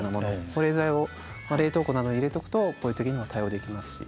保冷剤を冷凍庫などに入れとくとこういう時にも対応できますし。